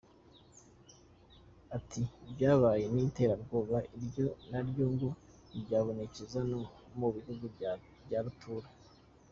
Ati "ivyabaye ni iterabwoba, iryo naryo ngo ryibonekeza no mu bihugu vya rutura".